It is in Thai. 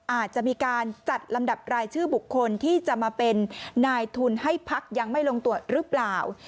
อาจจะมีการจัดลำดับรายชื่อบุคคลที่จะมาเป็นนายทุนให้พักยังไม่ลงตรวจหรือเปล่า